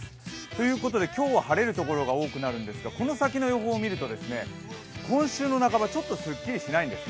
ということで今日は晴れる所が多くなるんですがこの先の予報を見ると、今週の半ばちょっとすっきりしないんです。